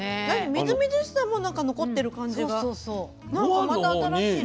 みずみずしさも残ってる感じがなんかまた新しいです。